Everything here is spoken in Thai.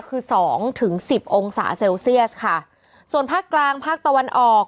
คือสองถึงสิบองศาเซลเซียสค่ะส่วนภาคกลางภาคตะวันออก